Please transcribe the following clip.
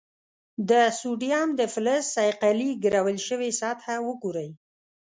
د سوډیم د فلز صیقلي ګرول شوې سطحه وګورئ.